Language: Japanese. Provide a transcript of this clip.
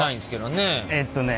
えっとね